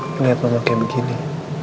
nihat mama kayak begini